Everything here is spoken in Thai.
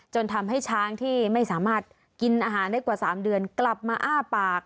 ทำให้ช้างที่ไม่สามารถกินอาหารได้กว่า๓เดือนกลับมาอ้าปาก